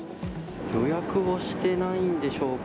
予約をしてないんでしょうか。